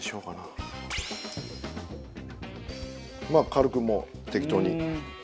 軽くもう適当に。